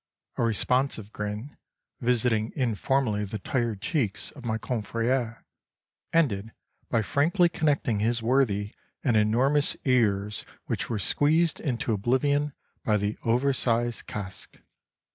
A responsive grin, visiting informally the tired cheeks of my confrère, ended by frankly connecting his worthy and enormous ears which were squeezed into oblivion by the oversize casque.